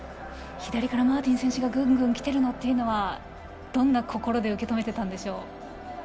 左からマーティン選手がぐんぐんきているのはどんな心で受け止めていたんでしょう。